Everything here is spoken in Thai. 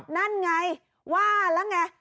นั่นไงว่าแล้วไง